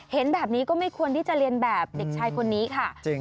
เห็นแบบนี้ก็ไม่ควรที่จะเรียนแบบเด็กชายคนนี้ค่ะ